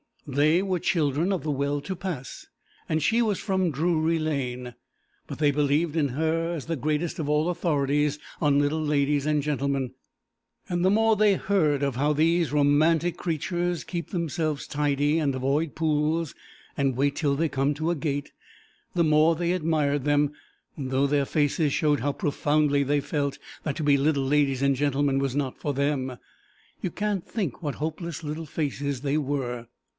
They were children of the well to pass, and she was from Drury Lane, but they believed in her as the greatest of all authorities on little ladies and gentlemen, and the more they heard of how these romantic creatures keep themselves tidy and avoid pools and wait till they come to a gate, the more they admired them, though their faces showed how profoundly they felt that to be little ladies and gentlemen was not for them. You can't think what hopeless little faces they were.